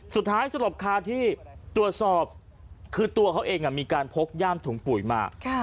สลบคาที่ตรวจสอบคือตัวเขาเองมีการพกย่ามถุงปุ๋ยมา